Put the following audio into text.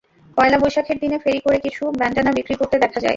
পয়লা বৈশাখের দিনে ফেরি করে কিছু ব্যান্ডানা বিক্রি করতে দেখা যায়।